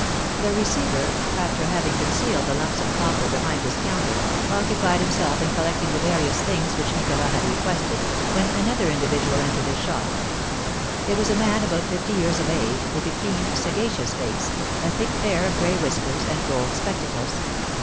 The receiver, after having concealed the lumps of copper behind his counter, occupied himself in collecting the various things which Nicholas had requested, when another individual entered his shop. It was a man about fifty years of age, with a keen, sagacious face, a thick pair of gray whiskers, and gold spectacles.